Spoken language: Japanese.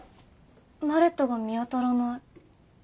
マレットが見当たらない。